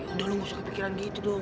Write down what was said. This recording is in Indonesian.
udah lu gak suka pikiran gitu dong